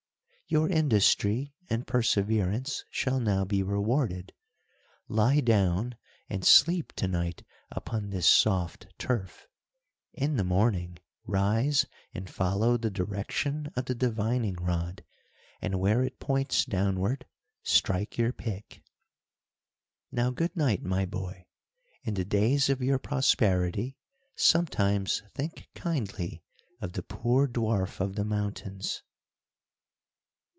"Your industry and perseverance shall now be rewarded. Lie down and sleep to night upon this soft turf. In the morning rise and follow the direction of the divining rod, and where it points downward strike your pick." "Now good night, my boy. In the days of your prosperity, sometimes think kindly of the poor dwarf of the mountains."